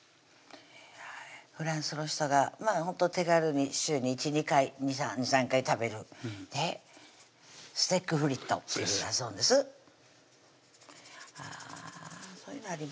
フランスの人がほんと手軽に週に１２回２３回食べる「ステック・フリット」っていうんだそうです